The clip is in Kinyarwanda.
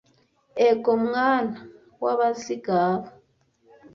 Ego mwana w'Abazigaba!